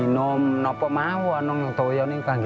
nah polisi lawan